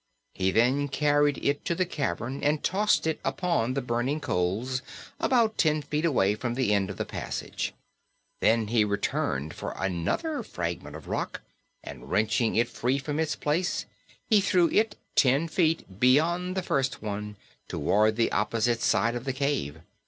He then carried it to the cavern and tossed it upon the burning coals, about ten feet away from the end of the passage. Then he returned for another fragment of rock, and wrenching it free from its place, he threw it ten feet beyond the first one, toward the opposite side of the cave.